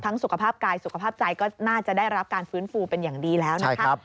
สุขภาพกายสุขภาพใจก็น่าจะได้รับการฟื้นฟูเป็นอย่างดีแล้วนะครับ